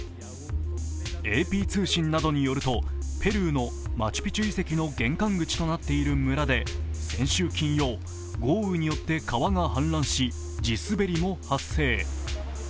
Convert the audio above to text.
ＡＰ通信などによると、ペルーのマチュピチュ遺跡の玄関口となっている村で先週金曜、豪雨によって、川が氾濫し地滑りも発生。